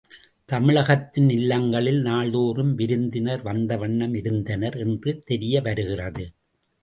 தமிழகத்தின் இல்லங்களில் நாள்தோறும் விருந்தினர் வந்த வண்ணம் இருந்தனர் என்று தெரிய வருகிறது.